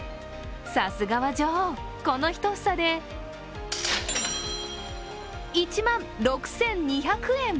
さすがは女王、この１房で１万６２００円！